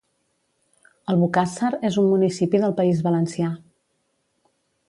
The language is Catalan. Albocàsser és un municipi del País Valencià